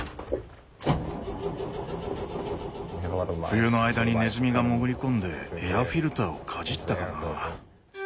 冬の間にねずみが潜り込んでエアフィルターをかじったかな？